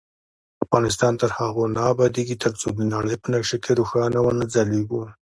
افغانستان تر هغو نه ابادیږي، ترڅو د نړۍ په نقشه کې روښانه ونه ځلیږو.